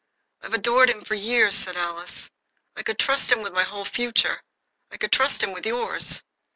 "I've adored him for years," said Alice. "I could trust him with my whole future. I could trust him with yours."